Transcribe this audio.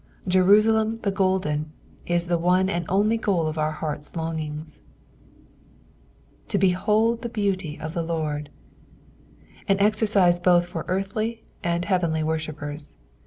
" Jerusalem the golden" is the one and only goal of our heart's long^ings. ^'ToMiaidihe heanty of the Lord." An eiercise both for earthly and heavenly worshippers.